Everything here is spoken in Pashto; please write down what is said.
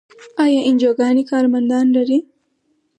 آیا انجیوګانې کارمندان لري؟